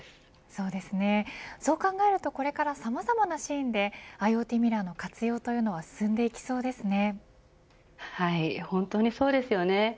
そうですねそう考えると、これからさまざまなシーンでＩｏＴミラーの活用というのが本当にそうですよね。